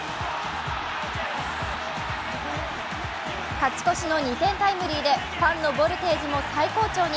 勝ち越しの２点タイムリーでファンのボルテージも最高潮に。